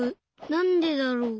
なんでだろう？